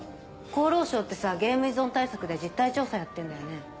厚労省ってさゲーム依存対策で実態調査やってんだよね？